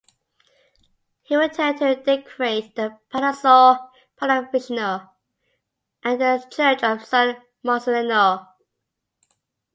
He returned to decorate the palazzo Pallavicino and the church of San Marcellino.